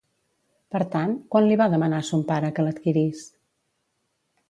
Per tant, quan li va demanar a son pare que l'adquirís?